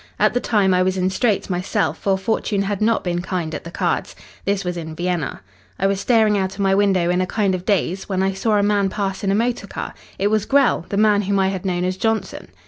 At the time I was in straits myself, for fortune had not been kind at the cards. This was in Vienna. I was staring out of my window in a kind of daze when I saw a man pass in a motor car. It was Grell the man whom I had known as Johnson.